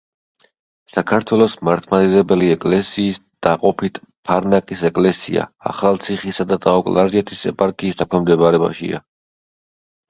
საქართველოს მართლმადიდებელი ეკლესიის დაყოფით ფარნაკის ეკლესია, ახალციხისა და ტაო-კლარჯეთის ეპარქიის დაქვემდებარებაშია.